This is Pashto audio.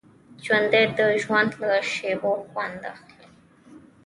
ژوندي د ژوند له شېبو خوند اخلي